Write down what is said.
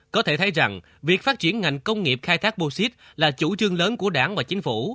có thể thấy rằng việc phát triển ngành công nghiệp khai thác bosit là chủ trương lớn của đảng và chính phủ